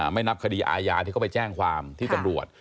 ไม่นับคดีอาญาที่เขาไปแจ้งความที่ตำรวจ